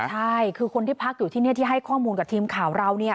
ใช่คือคนที่พักอยู่ที่นี่ที่ให้ข้อมูลกับทีมข่าวเราเนี่ย